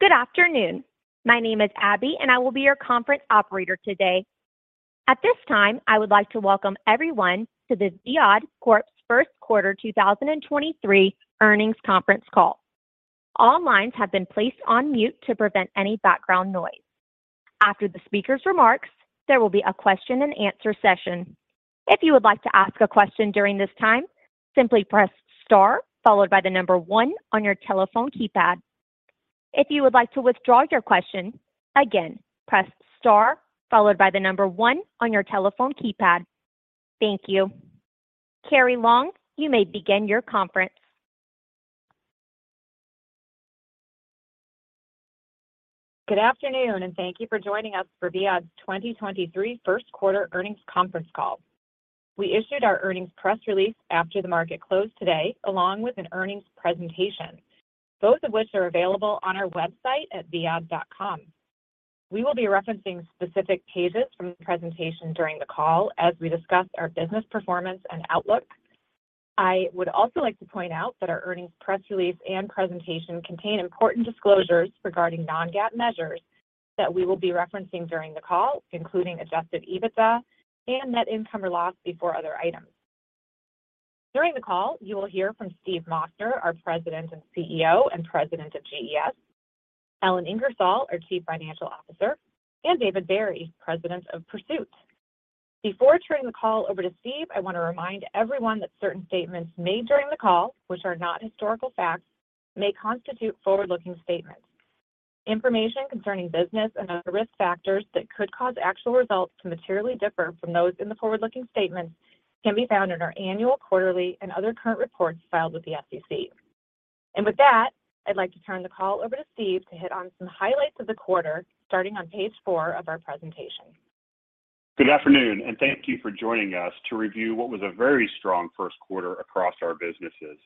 Good afternoon. My name is Abby, I will be your conference operator today. At this time, I would like to welcome everyone to the Viad Corp's First Quarter 2023 Earnings Conference Call. All lines have been placed on mute to prevent any background noise. After the speaker's remarks, there will be a question-and-answer session. If you would like to ask a question during this time, simply press star followed by the one on your telephone keypad. If you would like to withdraw your question, again, press star followed by the one on your telephone keypad. Thank you. Carrie Long, you may begin your conference. Good afternoon, and thank you for joining us for Viad's 2023 First Quarter Earnings Conference Call. We issued our earnings press release after the market closed today, along with an earnings presentation, both of which are available on our website at viad.com. We will be referencing specific pages from the presentation during the call as we discuss our business performance and outlook. I would also like to point out that our earnings press release and presentation contain important disclosures regarding non-GAAP measures that we will be referencing during the call, including Adjusted EBITDA and net income or loss before other items. During the call, you will hear from Steve Moster, our President and CEO and President of GES, Ellen Ingersoll, our Chief Financial Officer, and David Barry, President of Pursuit. Before turning the call over to Steve, I want to remind everyone that certain statements made during the call, which are not historical facts, may constitute forward-looking statements. Information concerning business and other risk factors that could cause actual results to materially differ from those in the forward-looking statements can be found in our annual, quarterly, and other current reports filed with the SEC. With that, I'd like to turn the call over to Steve to hit on some highlights of the quarter, starting on page four of our presentation. Good afternoon, and thank you for joining us to review what was a very strong first quarter across our businesses.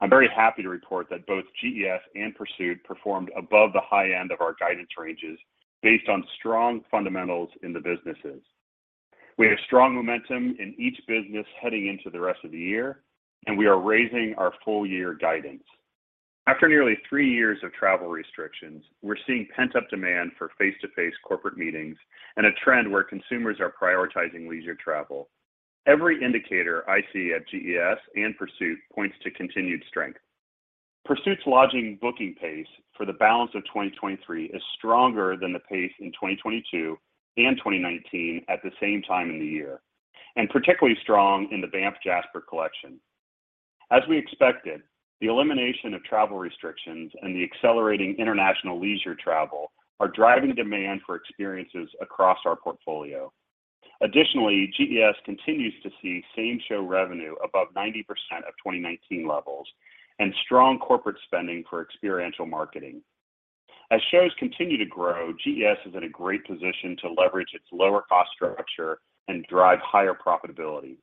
I'm very happy to report that both GES and Pursuit performed above the high end of our guidance ranges based on strong fundamentals in the businesses. We have strong momentum in each business heading into the rest of the year, and we are raising our full year guidance. After nearly three years of travel restrictions, we're seeing pent-up demand for face-to-face corporate meetings and a trend where consumers are prioritizing leisure travel. Every indicator I see at GES and Pursuit points to continued strength. Pursuit's lodging booking pace for the balance of 2023 is stronger than the pace in 2022 and 2019 at the same time in the year, and particularly strong in the Banff Jasper Collection. As we expected, the elimination of travel restrictions and the accelerating international leisure travel are driving demand for experiences across our portfolio. Additionally, GES continues to see same show revenue above 90% of 2019 levels and strong corporate spending for experiential marketing. As shows continue to grow, GES is in a great position to leverage its lower cost structure and drive higher profitability.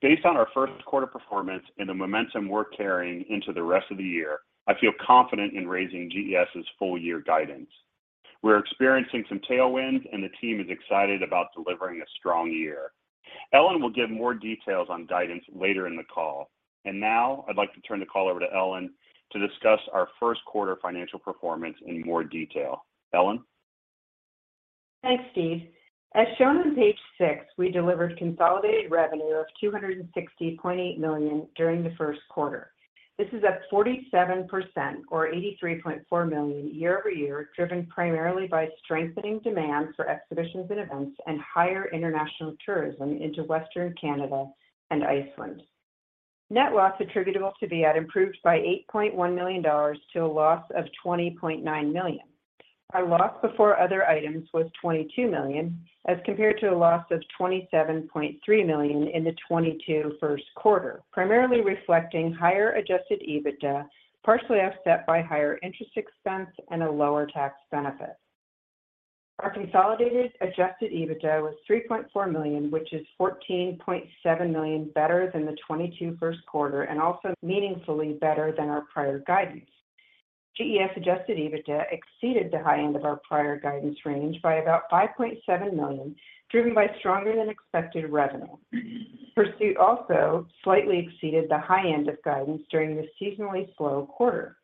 Based on our first quarter performance and the momentum we're carrying into the rest of the year, I feel confident in raising GES's full year guidance. We're experiencing some tailwinds, and the team is excited about delivering a strong year. Ellen will give more details on guidance later in the call. Now I'd like to turn the call over to Ellen to discuss our first quarter financial performance in more detail. Ellen. Thanks, Steve. As shown on page six, we delivered consolidated revenue of $260.8 million during the first quarter. This is up 47% or $83.4 million year-over-year, driven primarily by strengthening demand for exhibitions and events and higher international tourism into Western Canada and Iceland. Net loss attributable to Viad improved by $8.1 million to a loss of $20.9 million. Our loss before other items was $22 million as compared to a loss of $27.3 million in the 2022 first quarter, primarily reflecting higher Adjusted EBITDA, partially offset by higher interest expense and a lower tax benefit. Our consolidated Adjusted EBITDA was $3.4 million, which is $14.7 million better than the 2022 first quarter and also meaningfully better than our prior guidance. GES Adjusted EBITDA exceeded the high end of our prior guidance range by about $5.7 million, driven by stronger than expected revenue. Pursuit also slightly exceeded the high end of guidance during the seasonally slow quarter.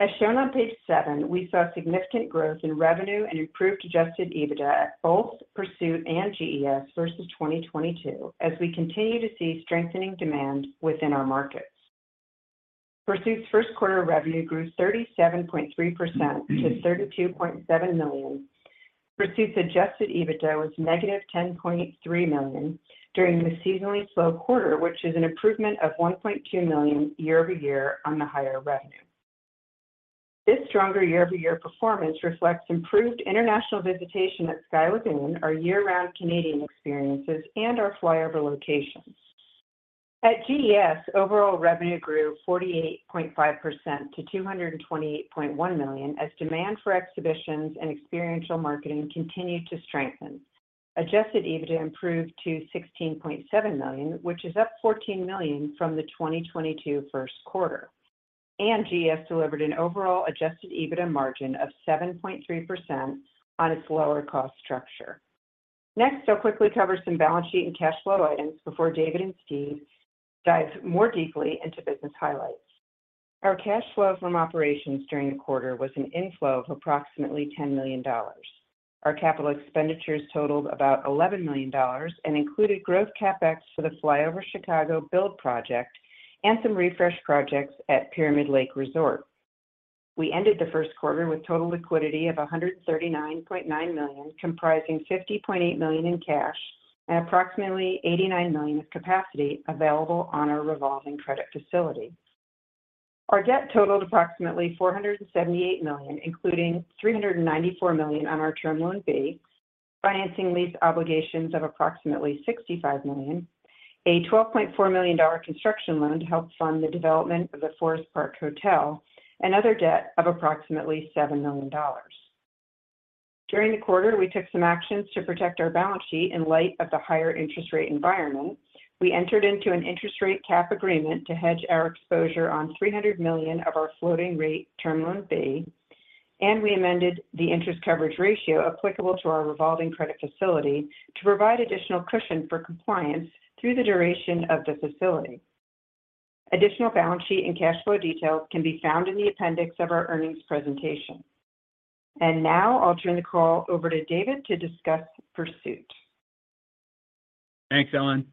As shown on page seven, we saw significant growth in revenue and improved Adjusted EBITDA at both Pursuit and GES versus 2022 as we continue to see strengthening demand within our markets. Pursuit's first quarter revenue grew 37.3% to $32.7 million. Pursuit's Adjusted EBITDA was -$10.3 million during the seasonally slow quarter, which is an improvement of $1.2 million year-over-year on the higher revenue. This stronger year-over-year performance reflects improved international visitation at Sky Lagoon, our year-round Canadian experiences, and our FlyOver locations. At GES, overall revenue grew 48.5% to $228.1 million as demand for exhibitions and experiential marketing continued to strengthen. Adjusted EBITDA improved to $16.7 million, which is up $14 million from the 2022 first quarter. GES delivered an overall Adjusted EBITDA margin of 7.3% on its lower cost structure. Next, I'll quickly cover some balance sheet and cash flow items before David and Steve dive more deeply into business highlights. Our cash flow from operations during the quarter was an inflow of approximately $10 million. Our capital expenditures totaled about $11 million and included growth CapEx for the FlyOver Chicago build project and some refresh projects at Pyramid Lake Resort. We ended the first quarter with total liquidity of $139.9 million, comprising $50.8 million in cash and approximately $89 million of capacity available on our revolving credit facility. Our debt totaled approximately $478 million, including $394 million on our Term Loan B, financing lease obligations of approximately $65 million, a $12.4 million construction loan to help fund the development of the Forest Park Hotel, and other debt of approximately $7 million. During the quarter, we took some actions to protect our balance sheet in light of the higher interest rate environment. We entered into an interest rate cap agreement to hedge our exposure on $300 million of our floating rate Term Loan B. We amended the interest coverage ratio applicable to our revolving credit facility to provide additional cushion for compliance through the duration of the facility. Additional balance sheet and cash flow details can be found in the appendix of our earnings presentation. Now I'll turn the call over to David to discuss Pursuit. Thanks, Ellen.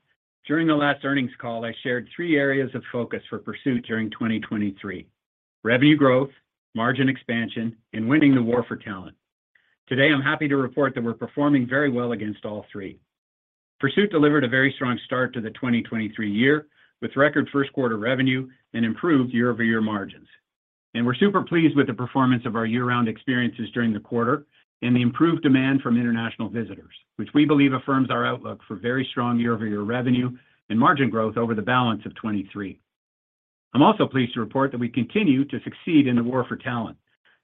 During the last earnings call, I shared three areas of focus for Pursuit during 2023: revenue growth, margin expansion, and winning the war for talent. Today, I'm happy to report that we're performing very well against all three. Pursuit delivered a very strong start to the 2023 year, with record first quarter revenue and improved year-over-year margins. We're super pleased with the performance of our year-round experiences during the quarter and the improved demand from international visitors, which we believe affirms our outlook for very strong year-over-year revenue and margin growth over the balance of 2023. I'm also pleased to report that we continue to succeed in the war for talent.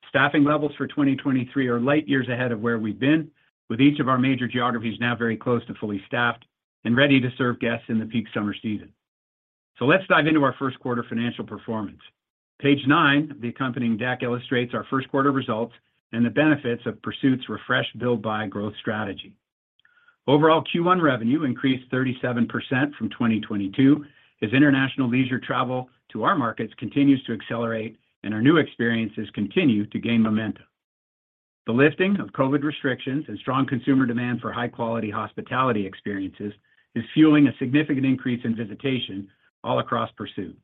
Staffing levels for 2023 are light years ahead of where we've been, with each of our major geographies now very close to fully staffed and ready to serve guests in the peak summer season. Let's dive into our first quarter financial performance. Page nine of the accompanying deck illustrates our first quarter results and the benefits of Pursuit's refresh, build, buy growth strategy. Overall, Q1 revenue increased 37% from 2022 as international leisure travel to our markets continues to accelerate and our new experiences continue to gain momentum. The lifting of COVID restrictions and strong consumer demand for high-quality hospitality experiences is fueling a significant increase in visitation all across Pursuit.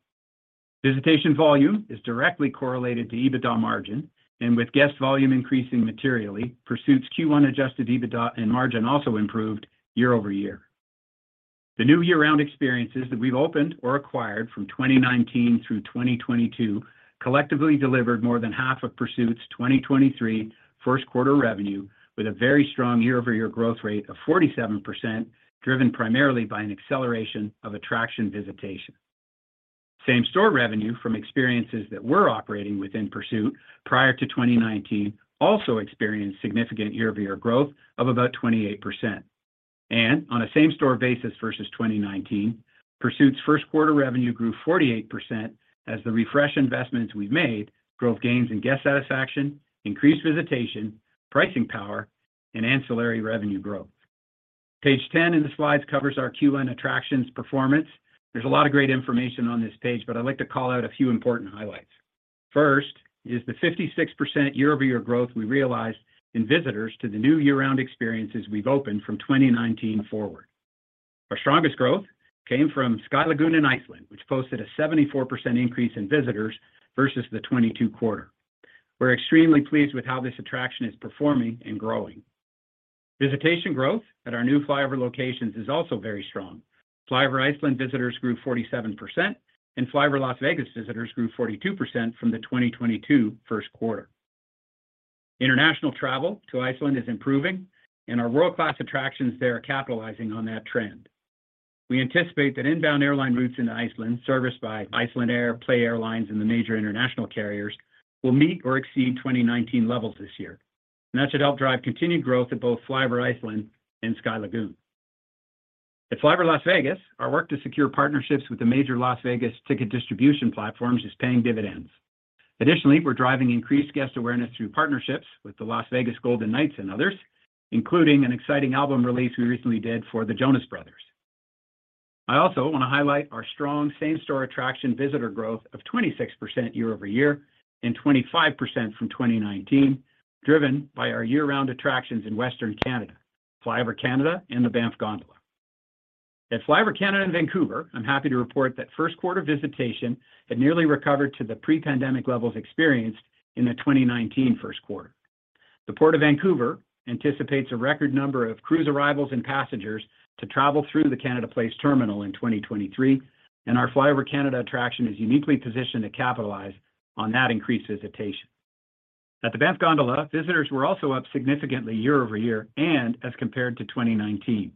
Visitation volume is directly correlated to EBITDA margin, and with guest volume increasing materially, Pursuit's Q1 Adjusted EBITDA and margin also improved year-over-year. The new year-round experiences that we've opened or acquired from 2019 through 2022 collectively delivered more than half of Pursuit's 2023 first quarter revenue with a very strong year-over-year growth rate of 47%, driven primarily by an acceleration of attraction visitation. Same-store revenue from experiences that were operating within Pursuit prior to 2019 also experienced significant year-over-year growth of about 28%. On a same-store basis versus 2019, Pursuit's first quarter revenue grew 48% as the refresh investments we've made drove gains in guest satisfaction, increased visitation, pricing power, and ancillary revenue growth. Page 10 in the slides covers our Q1 attractions performance. There's a lot of great information on this page, but I'd like to call out a few important highlights. First is the 56% year-over-year growth we realized in visitors to the new year-round experiences we've opened from 2019 forward. Our strongest growth came from Sky Lagoon in Iceland, which posted a 74% increase in visitors versus the 2022 quarter. We're extremely pleased with how this attraction is performing and growing. Visitation growth at our new FlyOver locations is also very strong. FlyOver Iceland visitors grew 47%, and FlyOver Las Vegas visitors grew 42% from the 2022 first quarter. International travel to Iceland is improving, and our world-class attractions there are capitalizing on that trend. We anticipate that inbound airline routes into Iceland, serviced by Icelandair, PLAY, and the major international carriers, will meet or exceed 2019 levels this year. That should help drive continued growth at both FlyOver Iceland and Sky Lagoon. At FlyOver Las Vegas, our work to secure partnerships with the major Las Vegas ticket distribution platforms is paying dividends. We're driving increased guest awareness through partnerships with the Las Vegas Golden Knights and others, including an exciting album release we recently did for the Jonas Brothers. I also want to highlight our strong same-store attraction visitor growth of 26% year-over-year and 25% from 2019, driven by our year-round attractions in Western Canada, FlyOver Canada, and the Banff Gondola. At FlyOver Canada in Vancouver, I'm happy to report that first quarter visitation had nearly recovered to the pre-pandemic levels experienced in the 2019 first quarter. The Port of Vancouver anticipates a record number of cruise arrivals and passengers to travel through the Canada Place terminal in 2023. Our FlyOver Canada attraction is uniquely positioned to capitalize on that increased visitation. At the Banff Gondola, visitors were also up significantly year-over-year and as compared to 2019.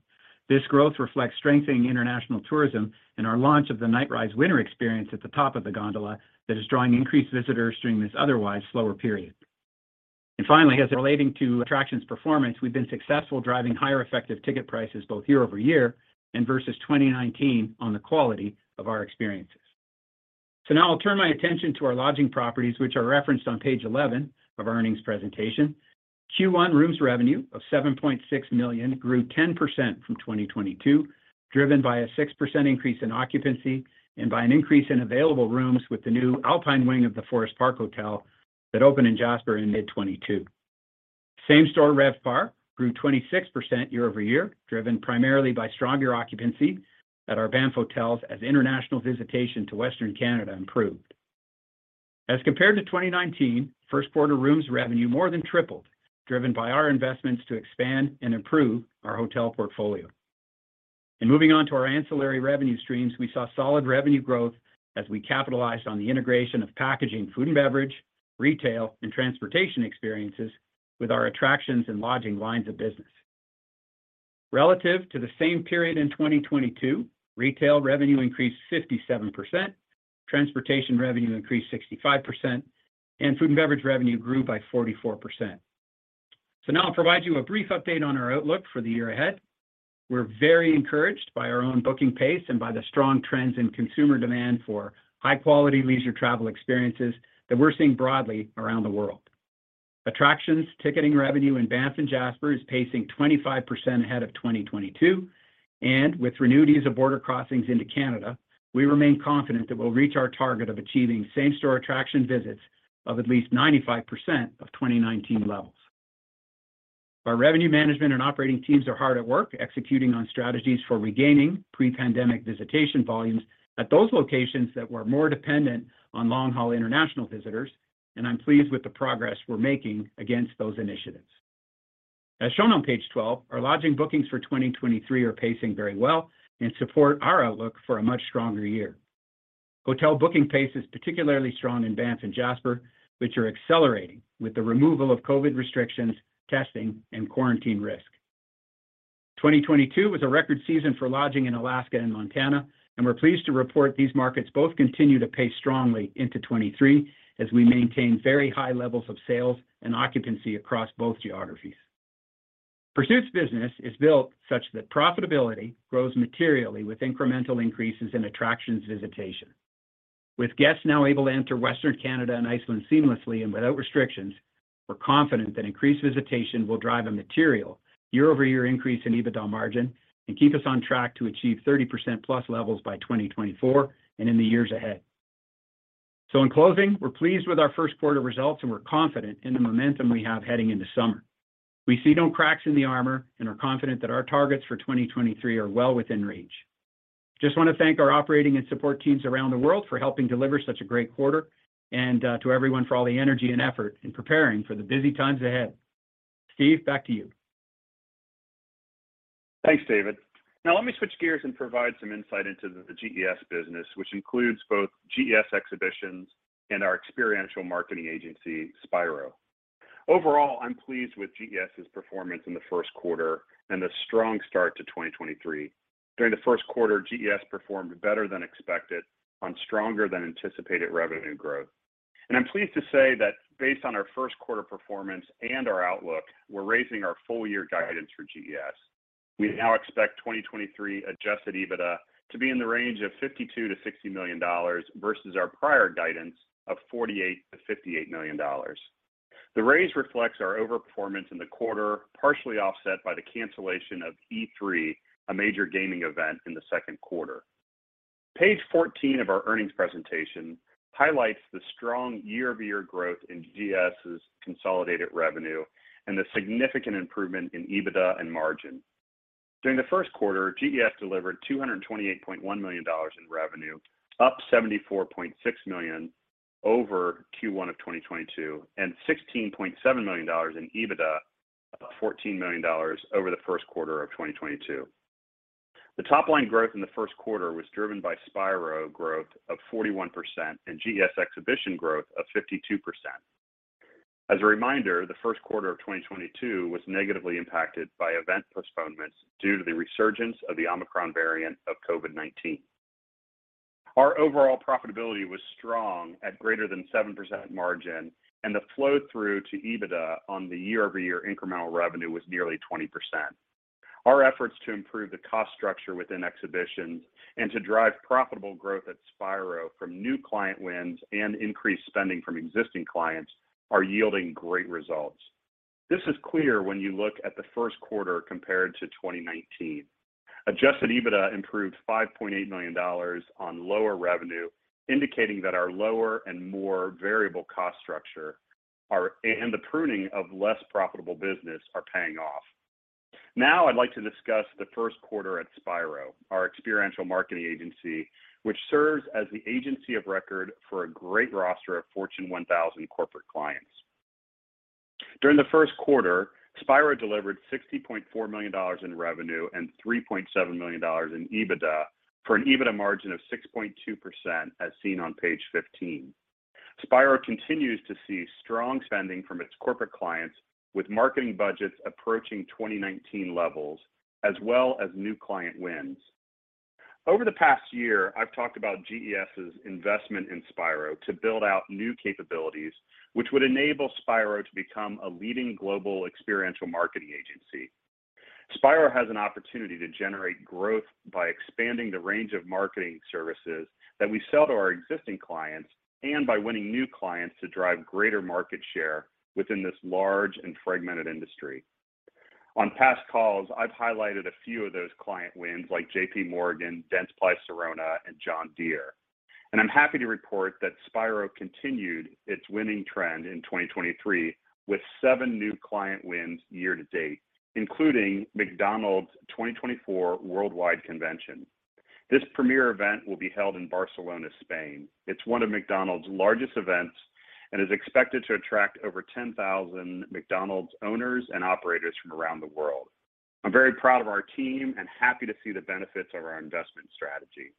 This growth reflects strengthening international tourism and our launch of the Nightrise winter experience at the top of the gondola that is drawing increased visitors during this otherwise slower period. Finally, as relating to attractions performance, we've been successful driving higher effective ticket prices both year-over-year and versus 2019 on the quality of our experiences. Now I'll turn my attention to our lodging properties, which are referenced on page 11 of earnings presentation. Q1 rooms revenue of $7.6 million grew 10% from 2022, driven by a 6% increase in occupancy and by an increase in available rooms with the new Alpine Wing of the Forest Park Hotel that opened in Jasper in mid 2022. Same-store RevPAR grew 26% year-over-year, driven primarily by stronger occupancy at our Banff hotels as international visitation to Western Canada improved. As compared to 2019, first quarter rooms revenue more than tripled, driven by our investments to expand and improve our hotel portfolio. Moving on to our ancillary revenue streams, we saw solid revenue growth as we capitalized on the integration of packaging food and beverage, retail, and transportation experiences with our attractions and lodging lines of business. Relative to the same period in 2022, retail revenue increased 57%, transportation revenue increased 65%, and food and beverage revenue grew by 44%. Now I'll provide you a brief update on our outlook for the year ahead. We're very encouraged by our own booking pace and by the strong trends in consumer demand for high-quality leisure travel experiences that we're seeing broadly around the world. Attractions ticketing revenue in Banff and Jasper is pacing 25% ahead of 2022, and with renewed ease of border crossings into Canada, we remain confident that we'll reach our target of achieving same-store attraction visits of at least 95% of 2019 levels. Our revenue management and operating teams are hard at work executing on strategies for regaining pre-pandemic visitation volumes at those locations that were more dependent on long-haul international visitors, and I'm pleased with the progress we're making against those initiatives. As shown on page 12, our lodging bookings for 2023 are pacing very well and support our outlook for a much stronger year. Hotel booking pace is particularly strong in Banff and Jasper, which are accelerating with the removal of COVID restrictions, testing, and quarantine risk. 2022 was a record season for lodging in Alaska and Montana. We're pleased to report these markets both continue to pace strongly into 2023 as we maintain very high levels of sales and occupancy across both geographies. Pursuit's business is built such that profitability grows materially with incremental increases in attractions visitation. With guests now able to enter Western Canada and Iceland seamlessly and without restrictions, we're confident that increased visitation will drive a material year-over-year increase in EBITDA margin and keep us on track to achieve 30%+ levels by 2024 and in the years ahead. In closing, we're pleased with our first quarter results, and we're confident in the momentum we have heading into summer. We see no cracks in the armor and are confident that our targets for 2023 are well within reach. Just want to thank our operating and support teams around the world for helping deliver such a great quarter and to everyone for all the energy and effort in preparing for the busy times ahead. Steve, back to you. Thanks, David. Now let me switch gears and provide some insight into the GES business, which includes both GES Exhibitions and our experiential marketing agency, Spiro. Overall, I'm pleased with GES's performance in the first quarter and the strong start to 2023. During the first quarter, GES performed better than expected on stronger than anticipated revenue growth. I'm pleased to say that based on our first quarter performance and our outlook, we're raising our full year guidance for GES. We now expect 2023 Adjusted EBITDA to be in the range of $52 million-$60 million versus our prior guidance of $48 million-$58 million. The raise reflects our overperformance in the quarter, partially offset by the cancellation of E3, a major gaming event in the second quarter. Page 14 of our earnings presentation highlights the strong year-over-year growth in GES's consolidated revenue and the significant improvement in EBITDA and margin. During the first quarter, GES delivered $228.1 million in revenue, up $74.6 million over Q1 of 2022, and $16.7 million in EBITDA, up $14 million over the first quarter of 2022. The top-line growth in the first quarter was driven by Spiro growth of 41% and GES Exhibition growth of 52%. As a reminder, the first quarter of 2022 was negatively impacted by event postponements due to the resurgence of the Omicron variant of COVID-19. Our overall profitability was strong at greater than 7% margin, and the flow-through to EBITDA on the year-over-year incremental revenue was nearly 20%. Our efforts to improve the cost structure within Exhibitions and to drive profitable growth at Spiro from new client wins and increased spending from existing clients are yielding great results. This is clear when you look at the first quarter compared to 2019. Adjusted EBITDA improved $5.8 million on lower revenue, indicating that our lower and more variable cost structure and the pruning of less profitable business are paying off. I'd like to discuss the first quarter at Spiro, our experiential marketing agency, which serves as the agency of record for a great roster of Fortune 1000 corporate clients. During the first quarter, Spiro delivered $60.4 million in revenue and $3.7 million in EBITDA, for an EBITDA margin of 6.2%, as seen on page 15. Spiro continues to see strong spending from its corporate clients, with marketing budgets approaching 2019 levels, as well as new client wins. Over the past year, I've talked about GES's investment in Spiro to build out new capabilities, which would enable Spiro to become a leading global experiential marketing agency. Spiro has an opportunity to generate growth by expanding the range of marketing services that we sell to our existing clients and by winning new clients to drive greater market share within this large and fragmented industry. On past calls, I've highlighted a few of those client wins, like JPMorgan, Dentsply Sirona, and John Deere. I'm happy to report that Spiro continued its winning trend in 2023 with seven new client wins year-to-date, including McDonald's 2024 worldwide convention. This premier event will be held in Barcelona, Spain. It's one of McDonald's largest events and is expected to attract over 10,000 McDonald's owners and operators from around the world. I'm very proud of our team and happy to see the benefits of our investment strategy.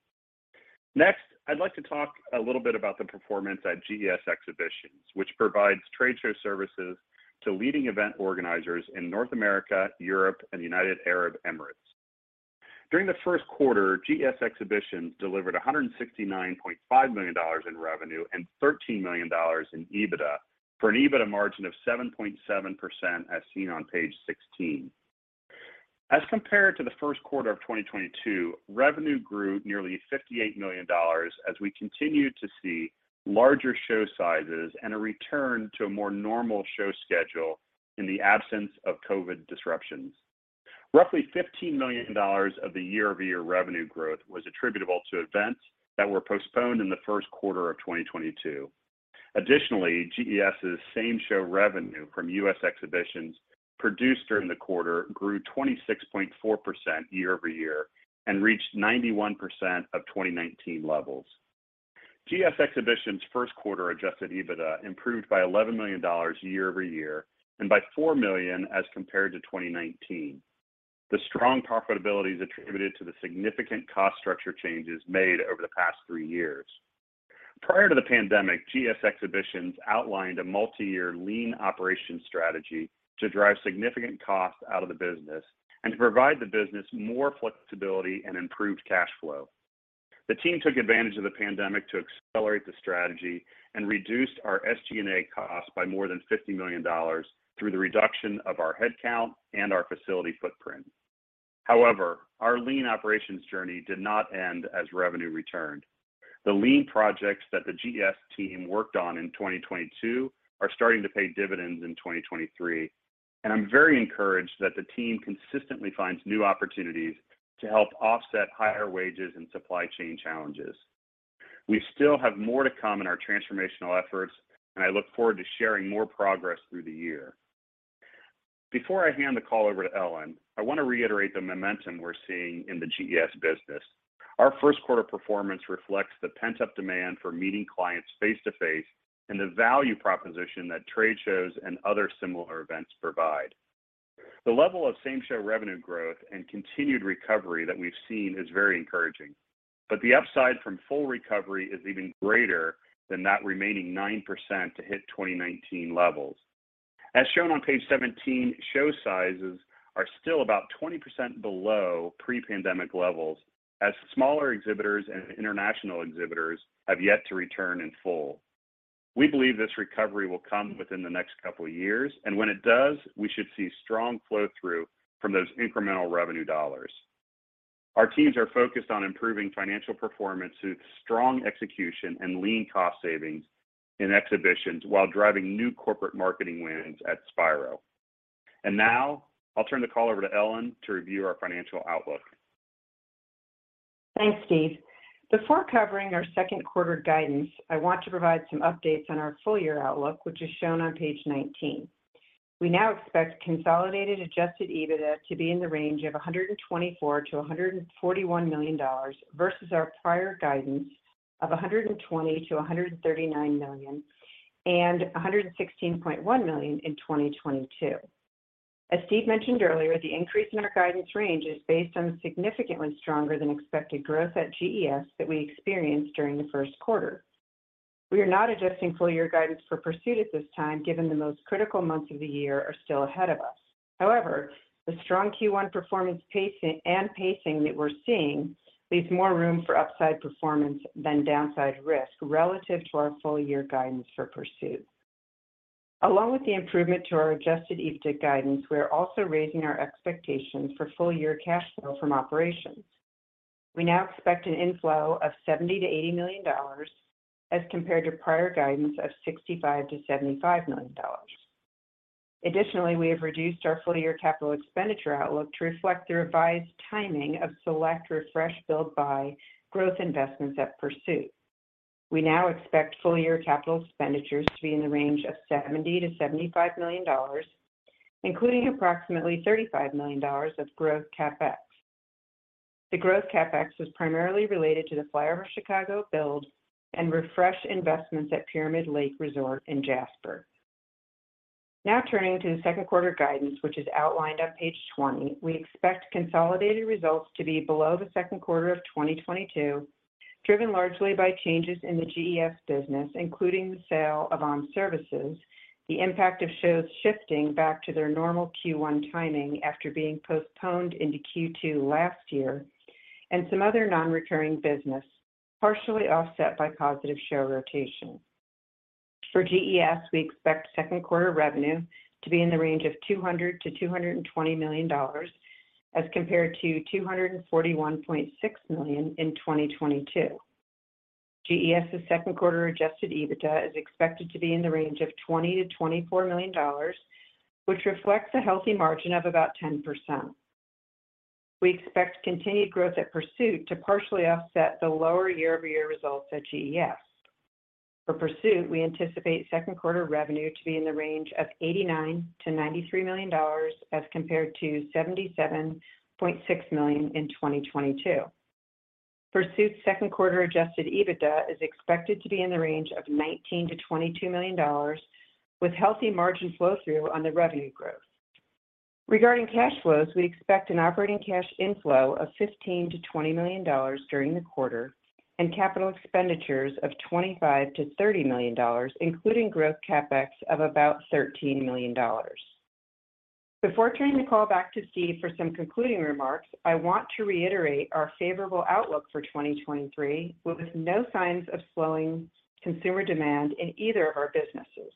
I'd like to talk a little bit about the performance at GES Exhibitions, which provides trade show services to leading event organizers in North America, Europe, and the United Arab Emirates. During the first quarter, GES Exhibitions delivered $169.5 million in revenue and $13 million in EBITDA for an EBITDA margin of 7.7%, as seen on page 16. As compared to the first quarter of 2022, revenue grew nearly $58 million as we continue to see larger show sizes and a return to a more normal show schedule in the absence of COVID disruptions. Roughly $15 million of the year-over-year revenue growth was attributable to events that were postponed in the first quarter of 2022. GES' same-show revenue from U.S. exhibitions produced during the quarter grew 26.4% year-over-year and reached 91% of 2019 levels. GES Exhibitions first quarter Adjusted EBITDA improved by $11 million year-over-year and by $4 million as compared to 2019. The strong profitability is attributed to the significant cost structure changes made over the past three years. Prior to the pandemic, GES Exhibitions outlined a multi-year lean operation strategy to drive significant cost out of the business and to provide the business more flexibility and improved cash flow. The team took advantage of the pandemic to accelerate the strategy and reduced our SG&A costs by more than $50 million through the reduction of our headcount and our facility footprint. Our lean operations journey did not end as revenue returned. The lean projects that the GES team worked on in 2022 are starting to pay dividends in 2023. I'm very encouraged that the team consistently finds new opportunities to help offset higher wages and supply chain challenges. We still have more to come in our transformational efforts. I look forward to sharing more progress through the year. Before I hand the call over to Ellen, I want to reiterate the momentum we're seeing in the GES business. Our first quarter performance reflects the pent-up demand for meeting clients face to face and the value proposition that trade shows and other similar events provide. The level of same-show revenue growth and continued recovery that we've seen is very encouraging, but the upside from full recovery is even greater than that remaining 9% to hit 2019 levels. As shown on page 17, show sizes are still about 20% below pre-pandemic levels as smaller exhibitors and international exhibitors have yet to return in full. We believe this recovery will come within the next couple of years, and when it does, we should see strong flow-through from those incremental revenue dollars. Our teams are focused on improving financial performance through strong execution and lean cost savings in exhibitions while driving new corporate marketing wins at Spiro. Now I'll turn the call over to Ellen to review our financial outlook. Thanks, Steve. Before covering our second quarter guidance, I want to provide some updates on our full-year outlook, which is shown on page 19. We now expect consolidated Adjusted EBITDA to be in the range of $124 million-$141 million versus our prior guidance of $120 million-$139 million and $116.1 million in 2022. As Steve mentioned earlier, the increase in our guidance range is based on significantly stronger than expected growth at GES that we experienced during the first quarter. We are not adjusting full-year guidance for Pursuit at this time, given the most critical months of the year are still ahead of us. However, the strong Q1 performance pacing, and pacing that we're seeing leaves more room for upside performance than downside risk relative to our full year guidance for Pursuit. Along with the improvement to our Adjusted EBITDA guidance, we are also raising our expectations for full-year cash flow from operations. We now expect an inflow of $70 million-$80 million as compared to prior guidance of $65 million-$75 million. Additionally, we have reduced our full-year capital expenditure outlook to reflect the revised timing of select refresh build by growth investments at Pursuit. We now expect full-year capital expenditures to be in the range of $70 million-$75 million, including approximately $35 million of growth CapEx. The growth CapEx was primarily related to the FlyOver Chicago build and refresh investments at Pyramid Lake Resort in Jasper. Now turning to the second quarter guidance, which is outlined on page 20. We expect consolidated results to be below the second quarter of 2022, driven largely by changes in the GES business, including the sale of ON Services, the impact of shows shifting back to their normal Q1 timing after being postponed into Q2 last year, and some other non-recurring business, partially offset by positive share rotation. For GES, we expect second quarter revenue to be in the range of $200 million-$220 million as compared to $241.6 million in 2022. GES's second quarter Adjusted EBITDA is expected to be in the range of $20 million-$24 million, which reflects a healthy margin of about 10%. We expect continued growth at Pursuit to partially offset the lower year-over-year results at GES. For Pursuit, we anticipate second quarter revenue to be in the range of $89 million-$93 million as compared to $77.6 million in 2022. Pursuit's second quarter Adjusted EBITDA is expected to be in the range of $19 million-$22 million with healthy margin flow through on the revenue growth. Regarding cash flows, we expect an operating cash inflow of $15 million-$20 million during the quarter and capital expenditures of $25 million-$30 million, including growth CapEx of about $13 million. Before turning the call back to Steve for some concluding remarks, I want to reiterate our favorable outlook for 2023, with no signs of slowing consumer demand in either of our businesses.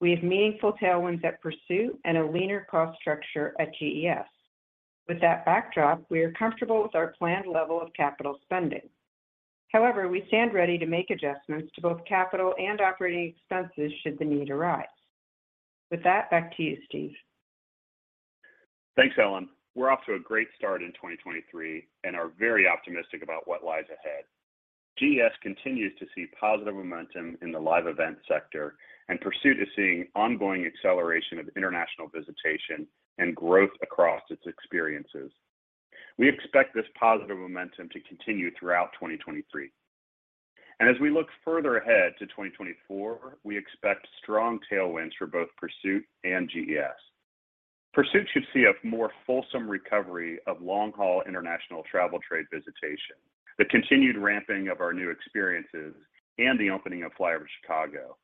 We have meaningful tailwinds at Pursuit and a leaner cost structure at GES. With that backdrop, we are comfortable with our planned level of capital spending. We stand ready to make adjustments to both capital and operating expenses should the need arise. With that, back to you, Steve. Thanks, Ellen. We're off to a great start in 2023 and are very optimistic about what lies ahead. GES continues to see positive momentum in the live event sector, and Pursuit is seeing ongoing acceleration of international visitation and growth across its experiences. We expect this positive momentum to continue throughout 2023. As we look further ahead to 2024, we expect strong tailwinds for both Pursuit and GES. Pursuit should see a more fulsome recovery of long-haul international travel trade visitation, the continued ramping of our new experiences, and the opening of FlyOver Chicago.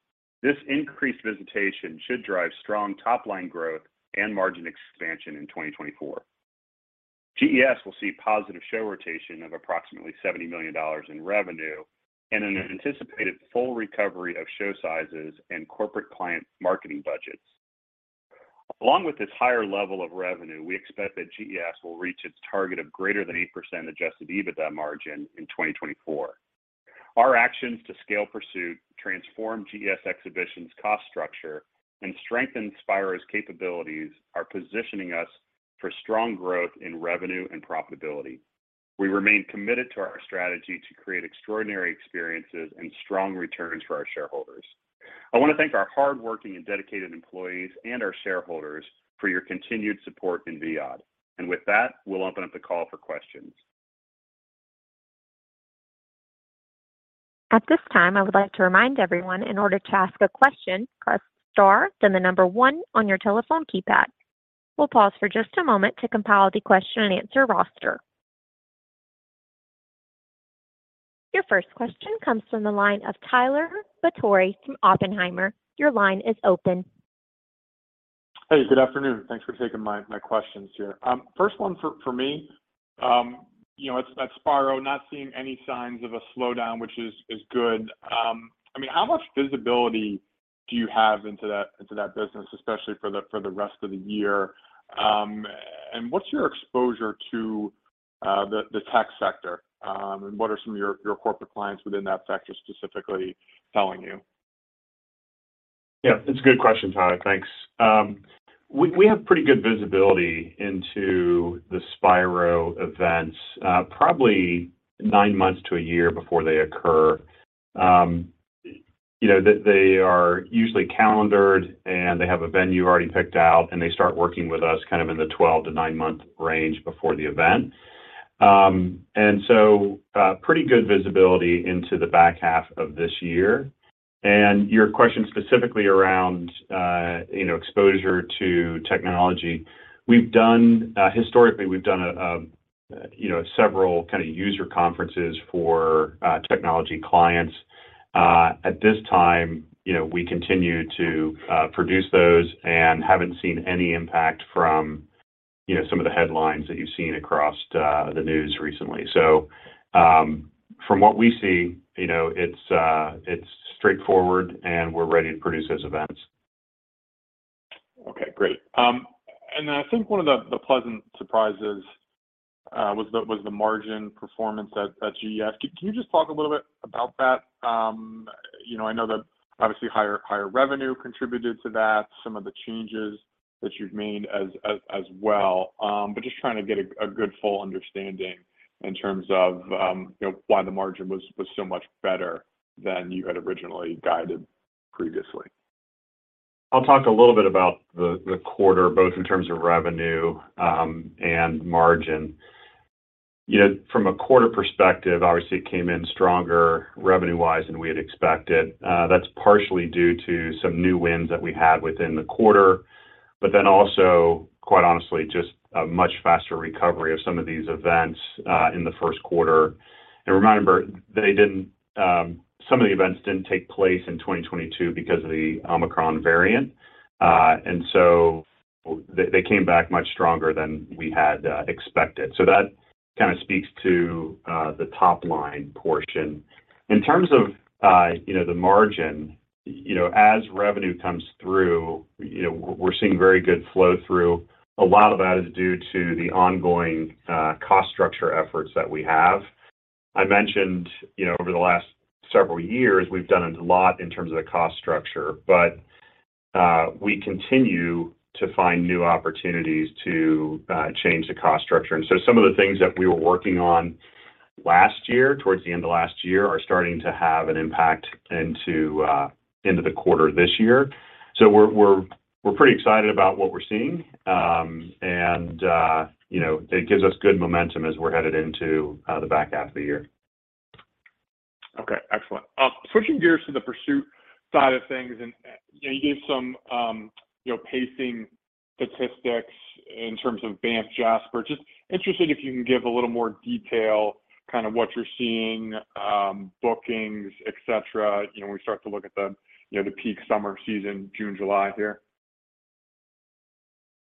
This increased visitation should drive strong top-line growth and margin expansion in 2024. GES will see positive show rotation of approximately $70 million in revenue and an anticipated full recovery of show sizes and corporate client marketing budgets. Along with this higher level of revenue, we expect that GES will reach its target of greater than 8% Adjusted EBITDA margin in 2024. Our actions to scale Pursuit transform GES Exhibition's cost structure and strengthen Spiro's capabilities are positioning us for strong growth in revenue and profitability. We remain committed to our strategy to create extraordinary experiences and strong returns for our shareholders. I wanna thank our hardworking and dedicated employees and our shareholders for your continued support in Viad. With that, we'll open up the call for questions. At this time, I would like to remind everyone in order to ask a question, press star, then the one on your telephone keypad. We'll pause for just a moment to compile the question-and-answer roster. Your first question comes from the line of Tyler Batory from Oppenheimer. Your line is open. Hey, good afternoon. Thanks for taking my questions here. First one for me, you know, at Spiro, not seeing any signs of a slowdown, which is good. I mean, how much visibility do you have into that business, especially for the rest of the year? What's your exposure to the tech sector, and what are some of your corporate clients within that sector specifically telling you? Yeah, it's a good question, Tyler. Thanks. We have pretty good visibility into the Spiro events, probably nine months to a year before they occur. You know, they are usually calendared, and they have a venue already picked out, and they start working with us kind of in the 12 to nine-month range before the event. Pretty good visibility into the back half of this year. Your question specifically around, you know, exposure to technology. We've done, historically, we've done a, you know, several kind of user conferences for technology clients. At this time, you know, we continue to produce those and haven't seen any impact from, you know, some of the headlines that you've seen across the news recently. From what we see, you know, it's straightforward, and we're ready to produce those events. Okay, great. I think one of the pleasant surprises was the margin performance at GES. Can you just talk a little bit about that? You know, I know that obviously higher revenue contributed to that, some of the changes that you've made as well. Just trying to get a good full understanding in terms of, you know, why the margin was so much better than you had originally guided previously. I'll talk a little bit about the quarter, both in terms of revenue and margin. You know, from a quarter perspective, obviously it came in stronger revenue-wise than we had expected. That's partially due to some new wins that we had within the quarter, but then also, quite honestly, just a much faster recovery of some of these events in the first quarter. Remember, they didn't, some of the events didn't take place in 2022 because of the Omicron variant. They came back much stronger than we had expected. That kind of speaks to the top line portion. In terms of, you know, the margin, you know, as revenue comes through, you know, we're seeing very good flow through. A lot of that is due to the ongoing cost structure efforts that we have. I mentioned, you know, over the last several years, we've done a lot in terms of the cost structure, but we continue to find new opportunities to change the cost structure. Some of the things that we were working on last year, towards the end of last year, are starting to have an impact into the quarter this year. We're pretty excited about what we're seeing, and, you know, it gives us good momentum as we're headed into the back half of the year. Okay. Excellent. Switching gears to the Pursuit side of things, and you gave some, you know, pacing statistics in terms of Banff Jasper. Just interested if you can give a little more detail kind of what you're seeing, bookings, etcetera, you know, when we start to look at the, you know, the peak summer season, June, July here?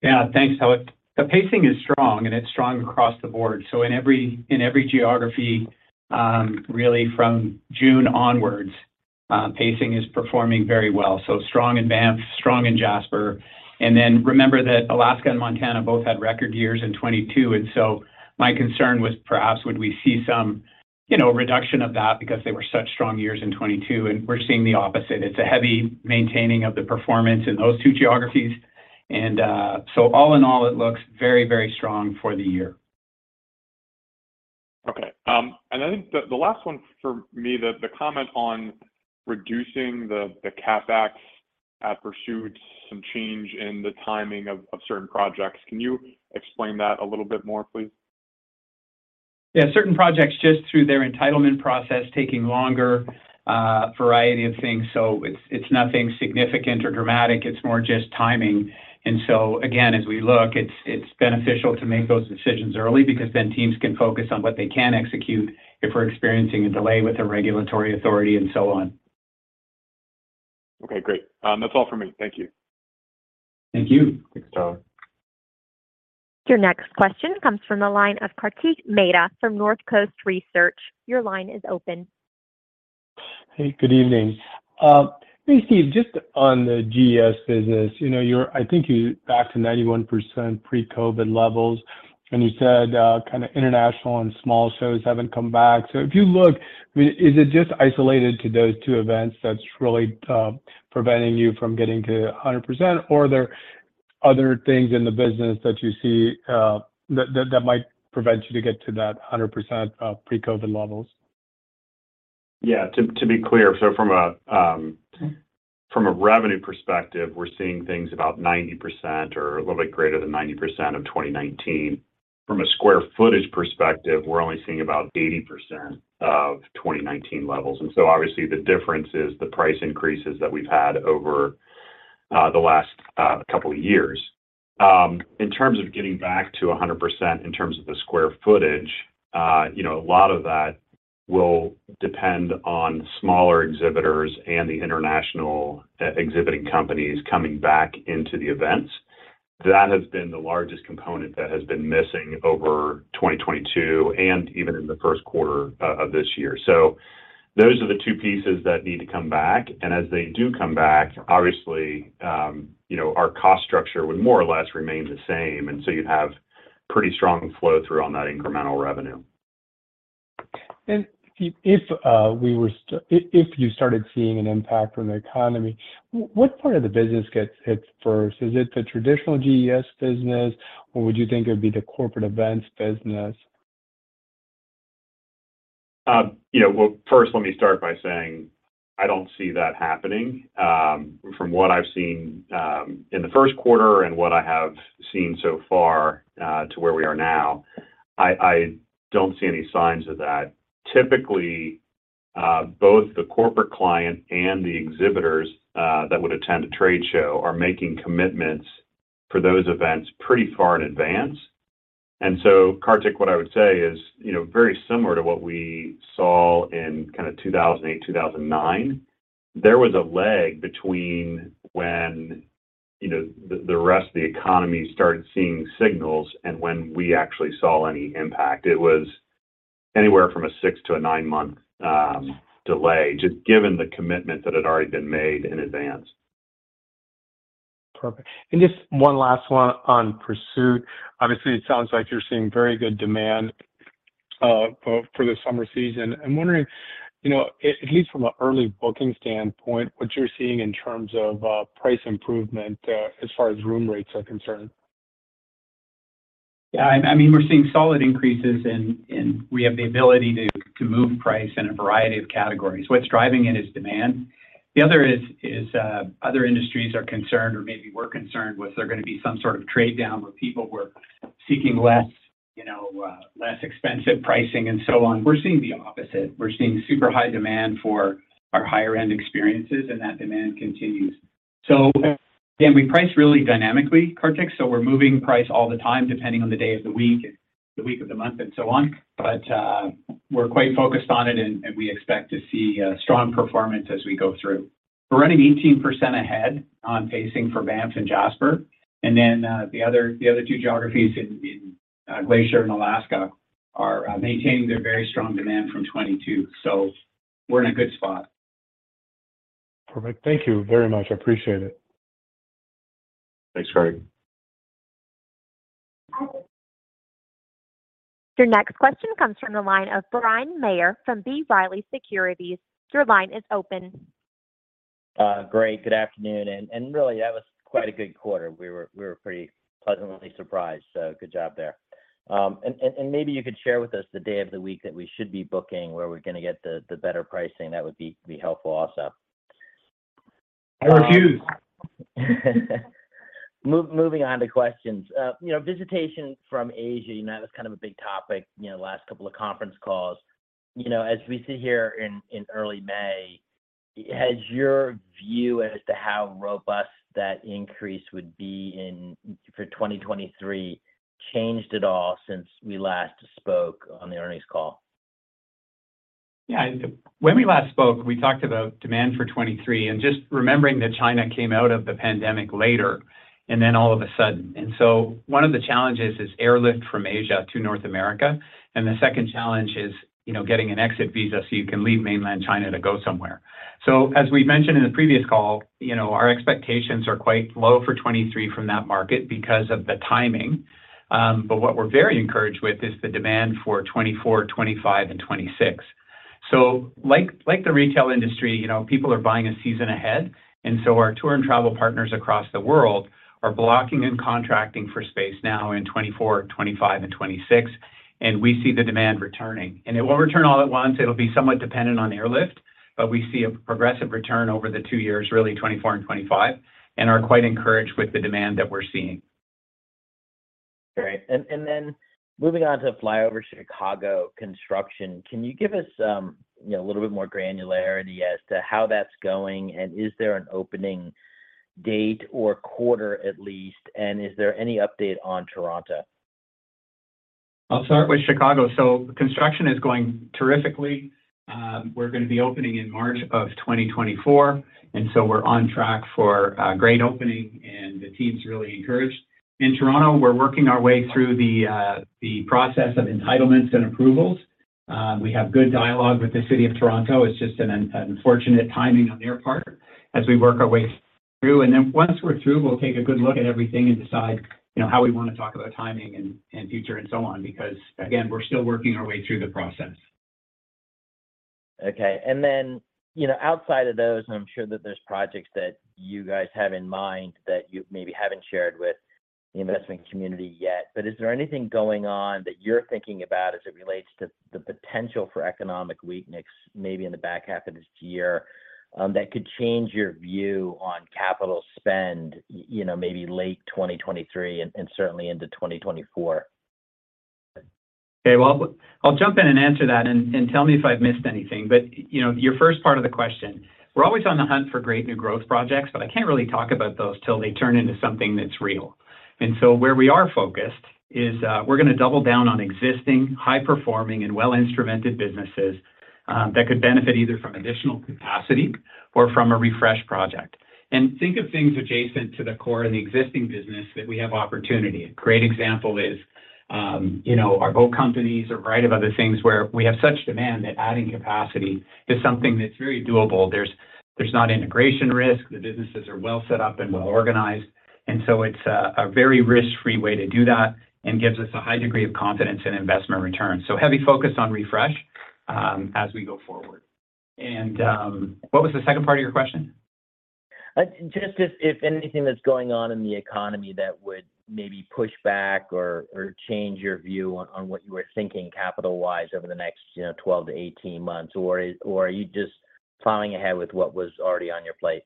Thanks, Tyler. The pacing is strong, and it's strong across the board. In every geography, really from June onwards, pacing is performing very well. Strong in Banff, strong in Jasper. Remember that Alaska and Montana both had record years in 2022. My concern was perhaps would we see some, you know, reduction of that because they were such strong years in 2022, and we're seeing the opposite. It's a heavy maintaining of the performance in those two geographies. All in all, it looks very, very strong for the year. Okay. I think the last one for me, the comment on reducing the CapEx at Pursuit, some change in the timing of certain projects. Can you explain that a little bit more, please? Certain projects just through their entitlement process, taking longer, variety of things. It's nothing significant or dramatic. It's more just timing. Again, as we look, it's beneficial to make those decisions early because then teams can focus on what they can execute if we're experiencing a delay with a regulatory authority and so on. Okay, great. That's all for me. Thank you. Thank you. Thanks, Tyler. Your next question comes from the line of Kartik Mehta from Northcoast Research. Your line is open. Hey, good evening. Hey, Steve, just on the GES business. You know, I think you're back to 91% pre-COVID levels, and you said, kind of international and small shows haven't come back. If you look, I mean, is it just isolated to those two events that's really preventing you from getting to a 100%, or are there other things in the business that you see that might prevent you to get to that 100% pre-COVID levels? Yeah, to be clear, from a revenue perspective, we're seeing things about 90% or a little bit greater than 90% of 2019. From a square footage perspective, we're only seeing about 80% of 2019 levels. Obviously, the difference is the price increases that we've had over the last couple of years. In terms of getting back to 100% in terms of the square footage, you know, a lot of that will depend on smaller exhibitors and the international exhibiting companies coming back into the events. That has been the largest component that has been missing over 2022 and even in the first quarter of this year. Those are the two pieces that need to come back, and as they do come back, obviously, you know, our cost structure would more or less remain the same, you'd have pretty strong flow-through on that incremental revenue. If you started seeing an impact on the economy, what part of the business gets hit first? Is it the traditional GES business, or would you think it would be the corporate events business? you know, well, first let me start by saying I don't see that happening. From what I've seen, in the first quarter and what I have seen so far, to where we are now, I don't see any signs of that. Typically, both the corporate client and the exhibitors that would attend a trade show are making commitments for those events pretty far in advance. Kartik, what I would say is, you know, very similar to what we saw in kind of 2008, 2009, there was a lag between when, you know, the rest of the economy started seeing signals and when we actually saw any impact. It was anywhere from a six to a nine-month delay, just given the commitment that had already been made in advance. Perfect. Just one last one on Pursuit. Obviously, it sounds like you're seeing very good demand for the summer season. I'm wondering, you know, at least from an early booking standpoint, what you're seeing in terms of price improvement, as far as room rates are concerned. I mean, we're seeing solid increases and we have the ability to move price in a variety of categories. What's driving it is other industries are concerned, or maybe we're concerned, was there going to be some sort of trade-down where people were seeking less, you know, less expensive pricing and so on. We're seeing the opposite. We're seeing super high demand for our higher-end experiences, and that demand continues. Again, we price really dynamically, Kartik, so we're moving price all the time depending on the day of the week, the week of the month and so on. We're quite focused on it and we expect to see strong performance as we go through. We're running 18% ahead on pacing for Banff and Jasper. The other two geographies in Glacier and Alaska are maintaining their very strong demand from 22. We're in a good spot. Perfect. Thank you very much. I appreciate it. Thanks, Kartik. Your next question comes from the line of Bryan Maher from B. Riley Securities. Your line is open. Great. Good afternoon. Really, that was quite a good quarter. We were pretty pleasantly surprised. Good job there. Maybe you could share with us the day of the week that we should be booking, where we're gonna get the better pricing. That would be helpful also. No refuse. Moving on to questions. You know, visitation from Asia, you know, that was kind of a big topic, you know, last couple of conference calls. You know, as we sit here in early May, has your view as to how robust that increase would be for 2023 changed at all since we last spoke on the earnings call? Yeah. When we last spoke, we talked about demand for 2023 and just remembering that China came out of the pandemic later, and then all of a sudden. One of the challenges is airlift from Asia to North America. The second challenge is, you know, getting an exit visa so you can leave mainland China to go somewhere. As we've mentioned in the previous call, you know, our expectations are quite low for 2023 from that market because of the timing. What we're very encouraged with is the demand for 2024, 2025 and 2026. Like the retail industry, you know, people are buying a season ahead, and so our tour and travel partners across the world are blocking and contracting for space now in 2024, 2025 and 2026, and we see the demand returning. It won't return all at once, it'll be somewhat dependent on airlift, but we see a progressive return over the two years, really 2024 and 2025, and are quite encouraged with the demand that we're seeing. Great. Moving on to FlyOver Chicago construction. Can you give us, you know, a little bit more granularity as to how that's going, and is there an opening date or quarter at least, and is there any update on Toronto? I'll start with Chicago. Construction is going terrifically. We're gonna be opening in March of 2024. We're on track for a great opening and the team's really encouraged. In Toronto, we're working our way through the process of entitlements and approvals. We have good dialogue with the city of Toronto. It's just an unfortunate timing on their part as we work our way through. Once we're through, we'll take a good look at everything and decide, you know, how we wanna talk about timing and future and so on. Again, we're still working our way through the process. Okay. You know, outside of those, I'm sure that there's projects that you guys have in mind that you maybe haven't shared with the investment community yet. Is there anything going on that you're thinking about as it relates to the potential for economic weakness, maybe in the back half of this year, that could change your view on capital spend, you know, maybe late 2023 and certainly into 2024? Okay. Well, I'll jump in and answer that and tell me if I've missed anything. You know, your first part of the question, we're always on the hunt for great new growth projects, but I can't really talk about those till they turn into something that's real. Where we are focused is, we're gonna double down on existing high performing and well-instrumented businesses that could benefit either from additional capacity or from a refresh project. Think of things adjacent to the core and the existing business that we have opportunity. A great example is, you know, our boat companies, a variety of other things where we have such demand that adding capacity is something that's very doable. There's not integration risk. The businesses are well set up and well organized. It's a very risk-free way to do that and gives us a high degree of confidence in investment returns. Heavy focus on refresh as we go forward. What was the second part of your question? Just if anything that's going on in the economy that would maybe push back or change your view on what you were thinking capital-wise over the next, you know, 12 to 18 months, or are you just plowing ahead with what was already on your plate?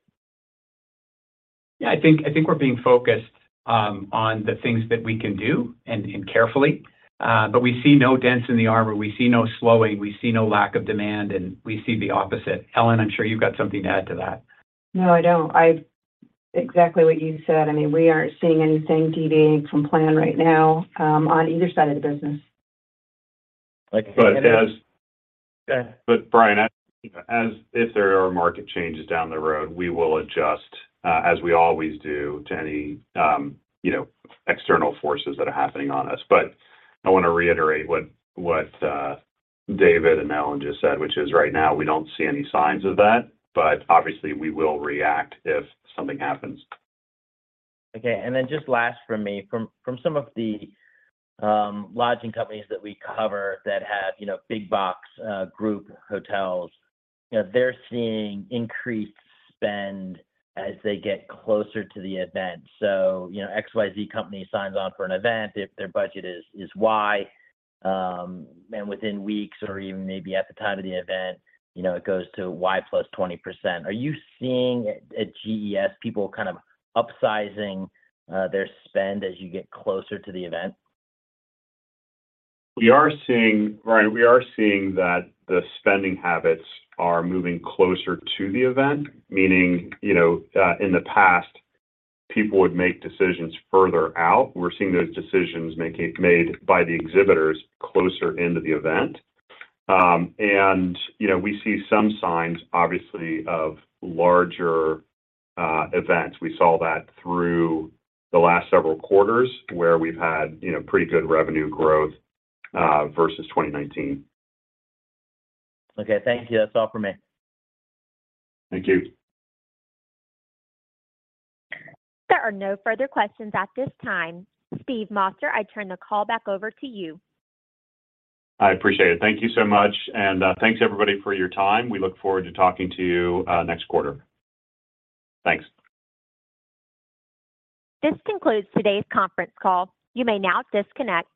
Yeah. I think we're being focused on the things that we can do and carefully. We see no dents in the armor. We see no slowing. We see no lack of demand. We see the opposite. Ellen, I'm sure you've got something to add to that. No, I don't. Exactly what you said. I mean, we aren't seeing anything deviating from plan right now, on either side of the business. Okay. But as- Yeah. Bryan, if there are market changes down the road, we will adjust as we always do to any, you know, external forces that are happening on us. I wanna reiterate what David and Ellen just said, which is right now we don't see any signs of that, but obviously, we will react if something happens. Okay. Then just last from me. From some of the lodging companies that we cover that have, you know, big box group hotels, you know, they're seeing increased spend as they get closer to the event. You know, XYZ company signs on for an event if their budget is Y. Within weeks or even maybe at the time of the event, you know, it goes to Y +20%. Are you seeing at GES people kind of upsizing their spend as you get closer to the event? Bryan, we are seeing that the spending habits are moving closer to the event. Meaning, you know, in the past, people would make decisions further out. We're seeing those decisions made by the exhibitors closer into the event. You know, we see some signs, obviously, of larger events. We saw that through the last several quarters where we've had, you know, pretty good revenue growth versus 2019. Okay. Thank you. That's all for me. Thank you. There are no further questions at this time. Steve Moster, I turn the call back over to you. I appreciate it. Thank you so much, and, thanks everybody for your time. We look forward to talking to you, next quarter. Thanks. This concludes today's conference call. You may now disconnect.